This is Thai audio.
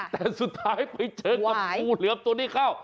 แต่สุดท้ายไปเจอกับงูเหลือมตัวนี้เข้า